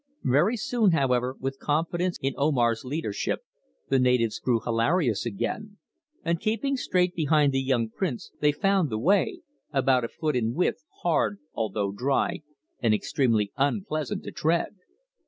Very soon, however, with confidence in Omar's leadership the natives grew hilarious again, and keeping straight behind the young prince they found the way, about a foot in width, hard, although dry, and extremely unpleasant to tread.